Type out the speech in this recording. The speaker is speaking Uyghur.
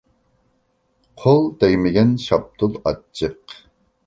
قول تەگمىگەن شاپتۇل ئاچچىق.